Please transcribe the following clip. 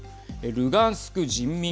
ルガンスク人民